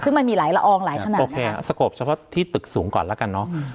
ซึ่งมันมีหลายละอองหลายขนาดโอเคสกเฉพาะที่ตึกสูงก่อนแล้วกันเนอะ